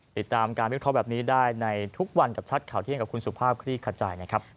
ติดตามการวิเคราะห์แบบนี้ได้ในทุกวันกับชัดข่าวเที่ยงกับคุณสุภาพคลี่ขจายนะครับ